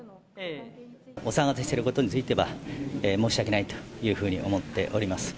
お騒がせしてることについては、申し訳ないというふうに思っております。